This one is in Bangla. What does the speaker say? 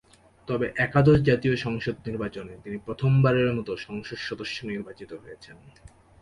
তবে একাদশ জাতীয় সংসদ নির্বাচনে তিনি প্রথম বারের মতো সংসদ সদস্য নির্বাচিত হয়েছেন।